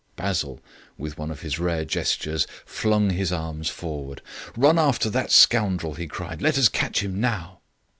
Basil, with one of his rare gestures, flung his arms forward. "Run after that scoundrel," he cried; "let us catch him now."